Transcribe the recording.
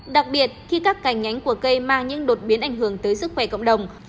đặc biệt khi các cành nhánh của cây mang những đột biến ảnh hưởng tới sức khỏe cộng đồng